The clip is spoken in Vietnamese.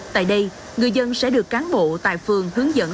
tại đây người dân sẽ được cán bộ tại phường hướng dẫn